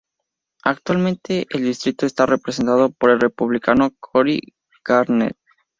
Actualmente el distrito está representado por el Republicano Cory Gardner.